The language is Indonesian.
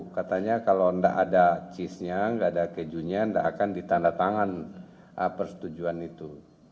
katanya kalau tidak ada cis nya tidak ada kejunya tidak akan ditandatangan persetujuan itu